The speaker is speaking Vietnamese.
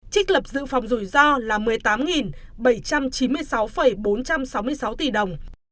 trích lập dự phòng rủi ro là một mươi tám bảy trăm chín mươi sáu bốn trăm sáu mươi sáu tỷ đồng